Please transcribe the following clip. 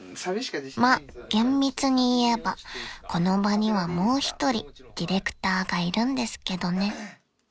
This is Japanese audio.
［まっ厳密に言えばこの場にはもう一人ディレクターがいるんですけどね］